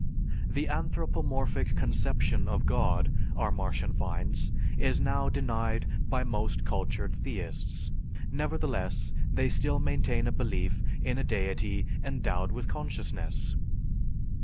The anthropomorphic conception of God, our Martian finds, is now denied by most cultured theists; nevertheless, they still maintain a belief in a deity endowed with consciousness.